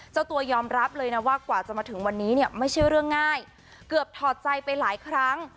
เจ้าตัวยอมรับเลยนะว่ากว่าจะมาถึงวันนี้เนี่ยไม่ใช่เรื่องง่ายเกือบถอดใจไปหลายครั้ง